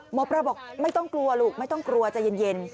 หมอปลาบอกไม่ต้องกลัวลูกไม่ต้องกลัวจะเย็น